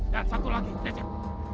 dan satu lagi cecep